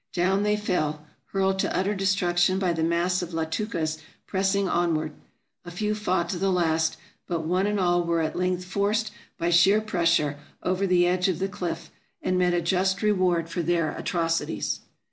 Down they fell ! hurled to utter destruction by the mass of Latookas pressing onward ! A few fought to the last ; but one and all were at length forced, by sheer pressure, over the edge cf the cliff, and met a just reward for their atrocities.